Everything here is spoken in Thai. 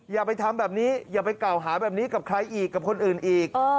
อย่าไปทำแบบนี้อย่าไปกล่าวหาแบบนี้กับใครอีกกับคนอื่นอีก